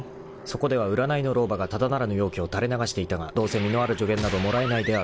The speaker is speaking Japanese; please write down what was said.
［そこでは占いの老婆がただならぬ妖気を垂れ流していたがどうせ身のある助言などもらえないであろう］